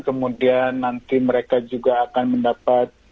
kemudian nanti mereka juga akan mendapat